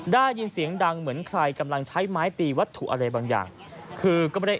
ได้ยินเสียงดังเหมือนใครกำลังใช้ไม้ตีวัตถุอะไรบางอย่างคือก็ไม่ได้